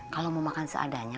kalau mau makan seadanya